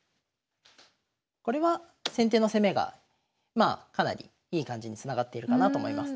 これは先手の攻めがかなりいい感じにつながっているかなと思います。